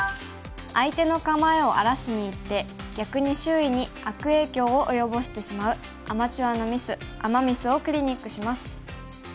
相手の構えを荒らしにいって逆に周囲に悪影響を及ぼしてしまうアマチュアのミスアマ・ミスをクリニックします。